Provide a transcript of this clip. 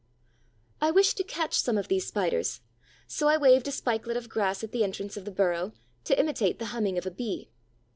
I wished to catch some of these Spiders, so I waved a spikelet of grass at the entrance of the burrow to imitate the humming of a Bee.